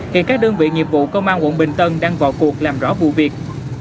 hiện các đơn vị nghiệp vụ công an quận bình tân đang vào cuộc làm rõ vụ việc